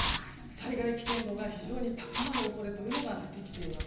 災害危険度が非常に高まる恐れというのが出てきています。